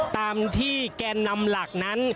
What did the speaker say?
ตามที่แกนนำหลักนั้น